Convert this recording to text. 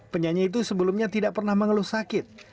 penyanyi itu sebelumnya tidak pernah mengeluh sakit